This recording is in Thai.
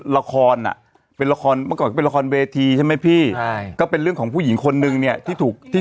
ละครอ่ะเป็นละครเมื่อก่อนก็เป็นละครเวทีใช่ไหมพี่ใช่ก็เป็นเรื่องของผู้หญิงคนนึงเนี่ยที่ถูกที่